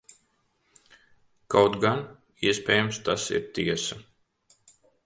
Kaut gan, iespējams, tas ir tiesa.